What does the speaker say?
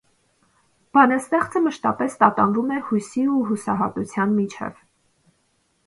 Բանաստեղծը մշտապես տատանվում է հույսի ու հուսահատության միջև։